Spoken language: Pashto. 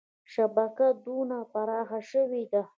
شبکه دونه پراخه شوې ده.